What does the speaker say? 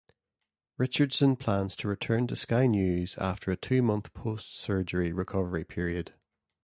Richardson plans to return to Sky News after a two-month post-surgery recovery period.